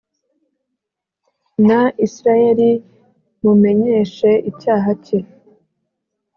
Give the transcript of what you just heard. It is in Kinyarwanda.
na Isirayeli mumenyeshe icyaha cye